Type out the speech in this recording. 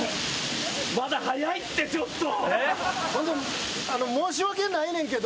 まだ早いってちょっと。